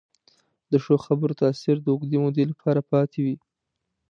د ښو خبرو تاثیر د اوږدې مودې لپاره پاتې وي.